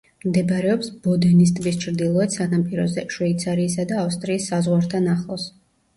მდებარეობს ბოდენის ტბის ჩრდილოეთ სანაპიროზე, შვეიცარიისა და ავსტრიის საზღვართან ახლოს.